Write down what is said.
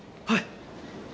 はい。